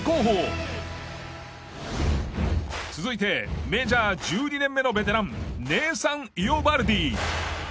続いてメジャー１２年目のベテランネーサン・イオバルディ。